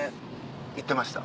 行ってました。